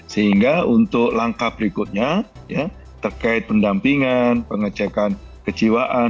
sehingga untuk langkah berikutnya terkait pendampingan pengecekan kejiwaan